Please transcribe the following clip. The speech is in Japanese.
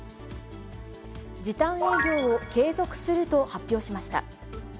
時短営業を継続すると発表しました。